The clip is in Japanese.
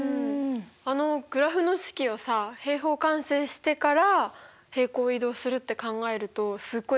あのグラフの式をさ平方完成してから平行移動するって考えるとすっごい楽だよね。